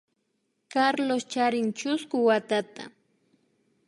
Carlos charin chusku watata